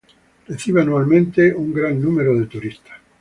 Recibe anualmente un gran número de turistas.